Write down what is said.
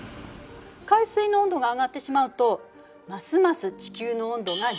海水の温度が上がってしまうとますます地球の温度が上昇する。